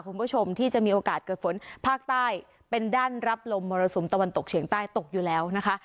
คุณผู้ชมที่จะมีโอกาสเกิดฝนภาคใต้เป็นด้านรับลมมรสุมตะวันตกเฉียงใต้ตกอยู่แล้วนะคะ